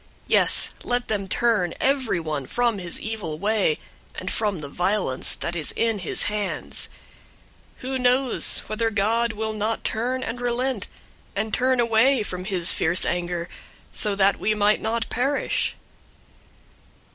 Yes, let them turn everyone from his evil way, and from the violence that is in his hands. 003:009 Who knows whether God will not turn and relent, and turn away from his fierce anger, so that we might not perish?"